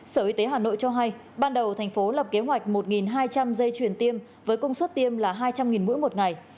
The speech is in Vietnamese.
sở y tế hà nội cho hay ban đầu thành phố lập kế hoạch một hai trăm linh dây chuyển tiêm với công suất tiêm là hai trăm linh mũi một ngày